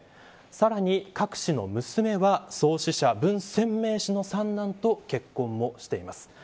さらに、カク氏の娘は創始者、文鮮明氏の三男と結婚をしています。